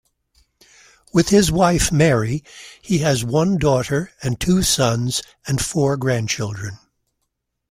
With his wife Mary, he has one daughter and two sons, and four grandchildren.